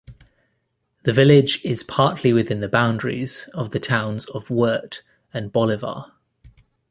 The village is partly within the boundaries of the towns of Wirt and Bolivar.